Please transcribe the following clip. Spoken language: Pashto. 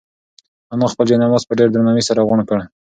انا خپل جاینماز په ډېر درناوي سره غونډ کړ.